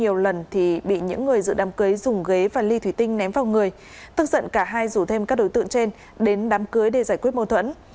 và đám cưới dùng ghế và ly thủy tinh ném vào người tức giận cả hai rủ thêm các đối tượng trên đến đám cưới để giải quyết mâu thuẫn